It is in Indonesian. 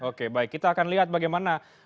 oke baik kita akan lihat bagaimana